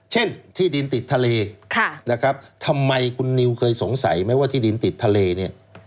เช่นที่ดินติดทะเลนะครับทำไมคุณนิวเคยสงสัยไหมว่าที่ดินติดทะเลเนี่ย